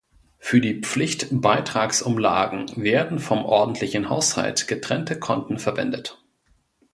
Für die Pflicht-Beitragsumlagen werden vom ordentlichen Haushalt getrennte Konten verwendet.